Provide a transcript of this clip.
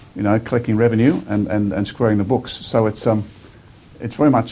adalah untuk mengejar hutang pemerintah dalam hal mengambil keuntungan dan mengejar buku